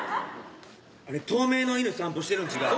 あれ透明の犬散歩してるんちがう？